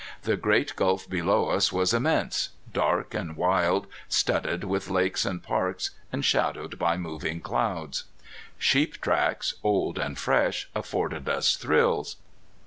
The great gulf below us was immense, dark, and wild, studded with lakes and parks, and shadowed by moving clouds. Sheep tracks, old and fresh, afforded us thrills.